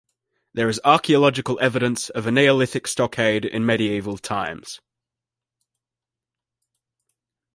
There is archaeological evidence of a Neolithic stockade in medieval times.